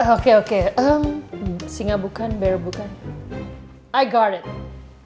oke oke singa bukan berbuka i got it